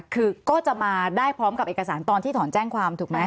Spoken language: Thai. คือก็จะมาได้พร้อมกับเอกสารตอนที่ถอนแจ้งความถูกไหม